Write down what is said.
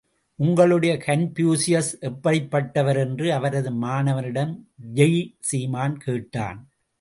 உங்களுடைய கன்பூசியஸ் எப்படிப்பட்டவர்? என்று அவரது மாணவனிடம் யெய் சீமான் கேட்டான்.